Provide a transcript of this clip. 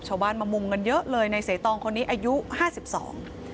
ชาวบ้านมามุงกันเยอะเลยในเสตองคนนี้อายุห้าสิบสอง